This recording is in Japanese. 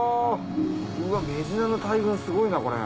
うわメジナの大群すごいなこれ。